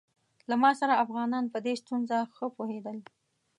له ما سره افغانان په دې ستونزه ښه پوهېدل.